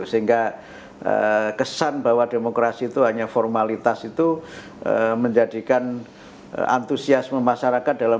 sehingga kesan bahwa demokrasi itu hanya formalitas itu menjadikan antusiasme masyarakat dalam